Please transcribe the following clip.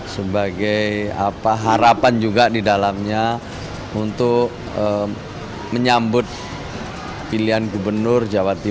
sebagai harapan juga di dalamnya untuk menyambut pilihan gubernur